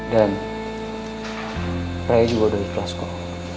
dan raya juga udah ikhlas kok